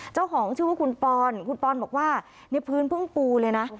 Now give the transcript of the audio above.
เจ้าของชื่อว่าคุณปอนคุณปอนบอกว่าในพื้นเพิ่งปูเลยนะ